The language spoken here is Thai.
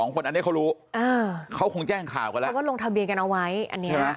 อันนี้เขารู้เขาคงแจ้งข่าวกันแล้วเพราะว่าลงทะเบียนกันเอาไว้อันนี้